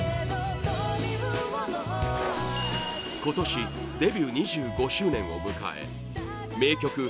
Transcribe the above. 今年デビュー２５周年を迎え名曲